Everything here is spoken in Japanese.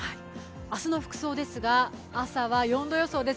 明日の服装ですが、朝は４度予想です。